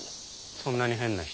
そんなに変な人？